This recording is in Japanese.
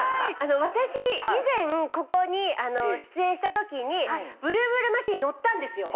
私以前ここに出演した時にブルブルマシン乗ったんですよ。